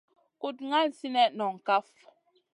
Kuɗ ŋal sinèh noŋ kaf.